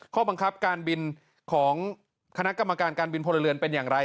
ข้อบังคับการบินของคณะกรรมการการบินพลเรือนเป็นอย่างไร